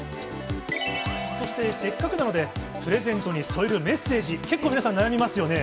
そして、せっかくなので、プレゼントに添えるメッセージ、結構皆さん、悩みますよね。